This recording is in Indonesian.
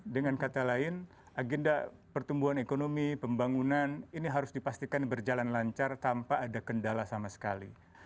dengan kata lain agenda pertumbuhan ekonomi pembangunan ini harus dipastikan berjalan lancar tanpa ada kendala sama sekali